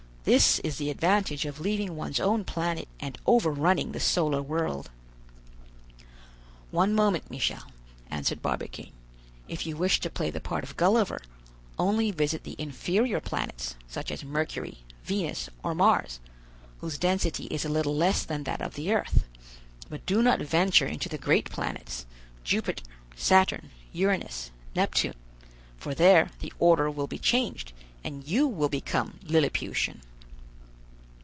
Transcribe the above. This is the advantage of leaving one's own planet and over running the solar world." "One moment, Michel," answered Barbicane; "if you wish to play the part of Gulliver, only visit the inferior planets, such as Mercury, Venus, or Mars, whose density is a little less than that of the earth; but do not venture into the great planets, Jupiter, Saturn, Uranus, Neptune; for there the order will be changed, and you will become Lilliputian."